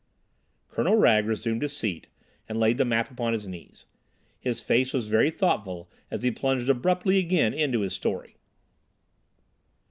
Colonel Wragge resumed his seat and laid the map upon his knees. His face was very thoughtful as he plunged abruptly again into his story.